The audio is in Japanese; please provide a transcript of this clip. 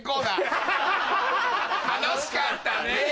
楽しかったね！